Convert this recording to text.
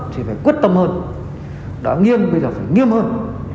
thì phải quyết tâm hơn đã nghiêm bây giờ phải nghiêm hơn